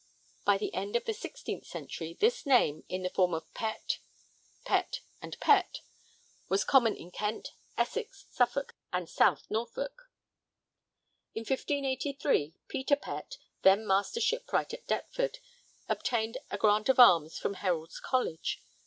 By the end of the 16th century this name, in the form 'Pet,' 'Pett,' and 'Pette' was common in Kent, Essex, Suffolk, and South Norfolk. In 1583, Peter Pett, then Master Shipwright at Deptford, obtained a grant of arms from Herald's College.